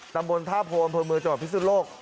ตำบลท่าโพลอันโภนมือจัดการพิสูจน์โลก